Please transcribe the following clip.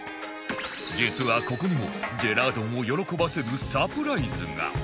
実はここにもジェラードンを喜ばせるサプライズが